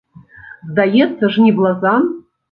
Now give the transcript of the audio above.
Здаецца ж, не блазан.